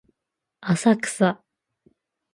浅草